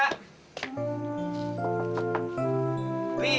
lang aku disini